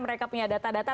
mereka punya data data